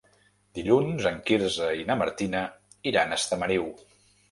Dilluns en Quirze i na Martina iran a Estamariu.